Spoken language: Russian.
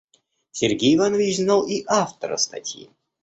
Сергей Иванович знал и автора статьи.